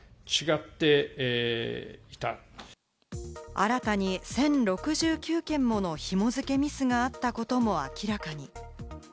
新たに１０６９件もの紐付けミスがあったことも明らかに。